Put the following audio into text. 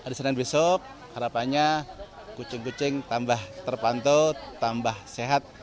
hari senin besok harapannya kucing kucing tambah terpantau tambah sehat